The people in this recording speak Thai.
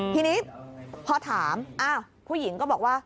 ทีนี้พอถามผู้หญิงก็บอกว่า